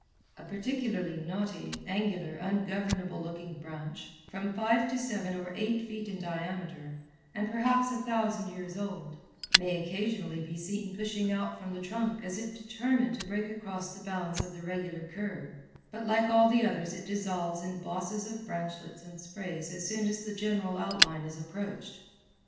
A particularly knotty, angular, ungovernable looking branch, from five to seven or eight feet in diameter and perhaps a thousand years old, may occasionally be seen pushing out from the trunk as if determined to break across the bounds of the regular curve, but like all the others it dissolves in bosses of branchlets and sprays as soon as the general outline is approached.